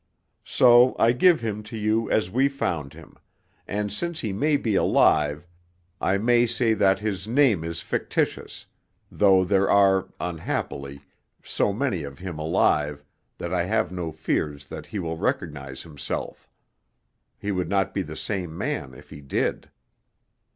So I give him to you as we found him, and since he may be alive I may say that his name is fictitious, though there are, unhappily, so many of him alive that I have no fears that he will recognize himself. He would not be the same man if he did.